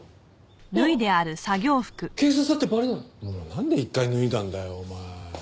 もうなんで一回脱いだんだよお前。